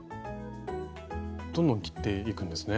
どんどん切っていくんですね。